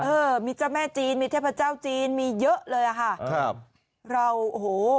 เออมีเจ้าแม่จีนมีเทพเจ้าจีนมีเยอะเลยอ่ะค่ะครับเราโอ้โห